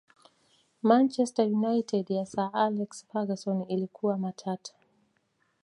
manchester united ya sir alex ferguson ilikuwa matata